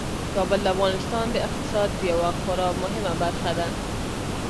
کابل د افغانستان د اقتصاد یوه خورا مهمه برخه ده.